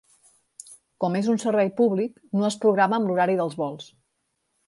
Com és un servei públic no es programa amb l'horari dels vols.